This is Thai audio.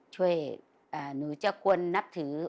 ช่วยหนูจะควรนับถือ